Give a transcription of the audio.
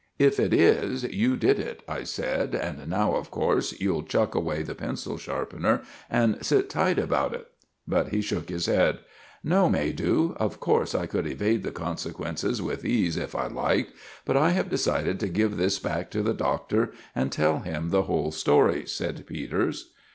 "If it is, you did it," I said; "and now of course you'll chuck away the pencil sharpener and sit tight about it?" But he shook his head. "No, Maydew. Of course I could evade the consequences with ease, if I liked. But I have decided to give this back to the Doctor and tell him the whole story," said Peters.